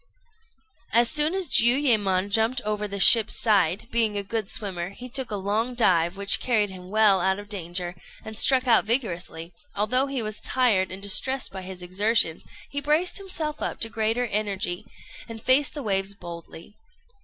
As soon as Jiuyémon jumped over the ship's side, being a good swimmer, he took a long dive, which carried him well out of danger, and struck out vigorously; and although he was tired and distressed by his exertions, he braced himself up to greater energy, and faced the waves boldly.